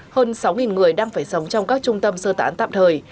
hơn sáu người đang phải sống trong các trung tâm sơ tán tạm thời